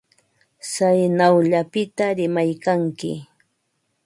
Tsaynawllapita rimaykanki.